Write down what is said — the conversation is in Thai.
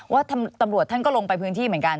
ว่าตำรวจท่านก็ลงไปพื้นที่เหมือนกัน